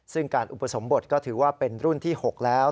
ซึ่งการอุปสมบทก็ถือว่าเป็นรุ่นที่๖แล้ว